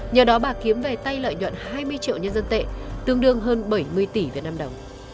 nhờ đó bà kiếm về tay lợi nhuận hai mươi triệu nhân dân tệ tương đương hơn bảy mươi tỷ việt nam đồng